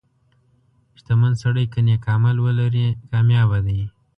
• شتمن سړی که نیک عمل ولري، کامیابه دی.